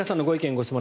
・ご質問